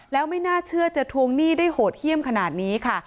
แล้วไม่น่าเชื่อจะทวงหนี้ได้โหดเยี่ยมขนาดนี้ค่ะ